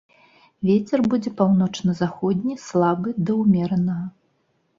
Вецер будзе паўночна-заходні слабы да ўмеранага.